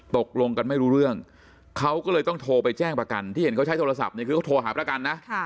ตกลงกันไม่รู้เรื่องเขาก็เลยต้องโทรไปแจ้งประกันที่เห็นเขาใช้โทรศัพท์เนี่ย